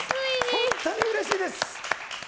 本当にうれしいです。